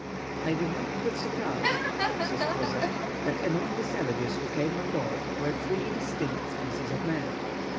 "I remarked with surprise," says Crozet, "that among the savages who came on board were three distinct species of men.